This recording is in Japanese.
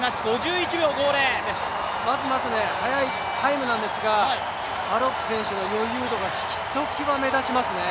まずまず、速いタイムなんですが、アロップ選手の余裕度がひときわ目立ちますね。